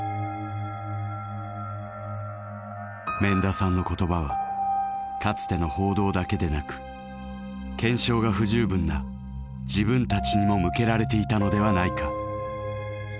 免田さんの言葉はかつての報道だけでなく検証が不十分な自分たちにも向けられていたのではないか。